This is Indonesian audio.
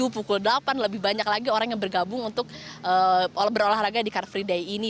pukul delapan lebih banyak lagi orang yang bergabung untuk berolahraga di car free day ini